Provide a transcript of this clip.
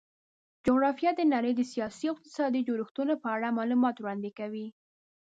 جغرافیه د نړۍ د سیاسي او اقتصادي جوړښتونو په اړه معلومات وړاندې کوي.